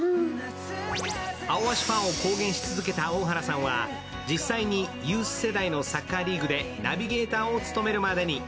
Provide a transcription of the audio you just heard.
「アオアシ」ファンを公言し続けた大原さんは、実際にユース世代のサッカーリーグでナビゲーターを務めるまでに。